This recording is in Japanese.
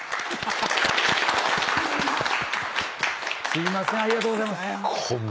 すいません。